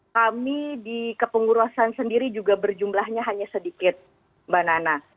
kami di kepengurusan sendiri juga berjumlahnya hanya sedikit mbak nana